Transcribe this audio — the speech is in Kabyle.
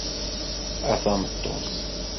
A tameṭṭut!